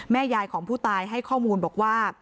ยายของผู้ตายให้ข้อมูลบอกว่า